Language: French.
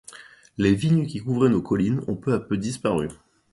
Les vignes qui couvraient nos collines ont peu à peu disparu.